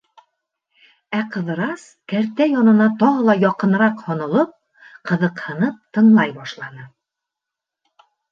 Ә Ҡыҙырас кәртә янына тағы ла яҡыныраҡ һонолоп, ҡыҙыҡһынып тыңлай башланы.